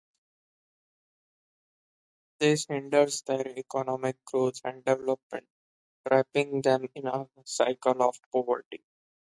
This hinders their economic growth and development, trapping them in a cycle of poverty.